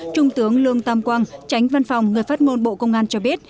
trung tướng lương tam quang tránh văn phòng người phát ngôn bộ công an cho biết